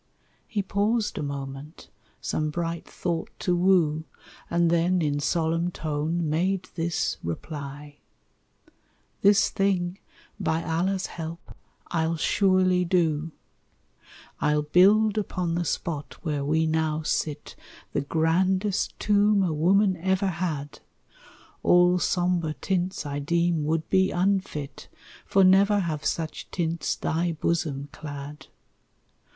He paused a moment, some bright thought to woo, And then, in solemn tone, made this reply: "This thing, by Allah's help, I'll surely do: "I'll build upon the spot where we now sit The grandest tomb a woman ever had; All sombre tints I deem would be unfit; For never have such tints thy bosom clad.